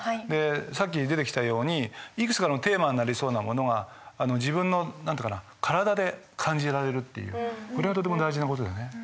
でさっき出てきたようにいくつかのテーマになりそうなものが自分の体で感じられるっていうこれがとても大事な事でね。